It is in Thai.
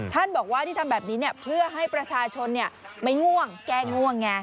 ท่านบอกว่าที่ทำแบบนี้เพื่อให้ประชาชนไม่ง่วงแก้ง่วงไง